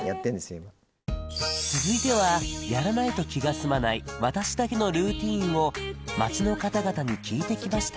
今続いてはやらないと気が済まない「私だけのルーティン」を街の方々に聞いてきました